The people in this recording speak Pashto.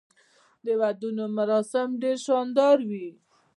د ودونو مراسم ډیر شاندار وي.